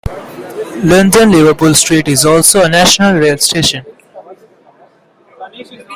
London Liverpool Street is also a National Rail station.